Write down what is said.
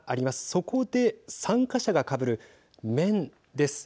そこで参加者が、かぶる面です。